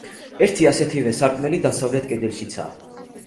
ერთი ასეთივე სარკმელი დასავლეთ კედელშიცაა.